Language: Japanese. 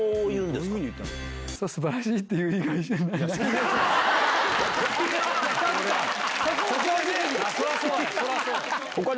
すばらしいっていう以外に。